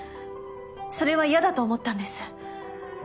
それは嫌だと思ったんです。